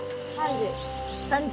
３０。